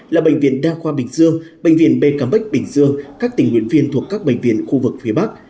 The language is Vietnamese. là bệnh viện đa khoa bình dương bệnh viện bê cắm bách bình dương các tỉnh nguyện viên thuộc các bệnh viện khu vực phía bắc